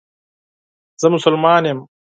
زه مسلمان یم